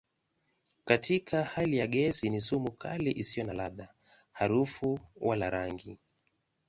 Katika hali ya gesi ni sumu kali isiyo na ladha, harufu wala rangi.